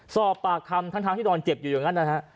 สอบปากคำทั้งที่นอนเจ็บอยู่อย่างนั้นนะฮะ